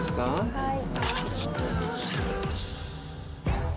はい。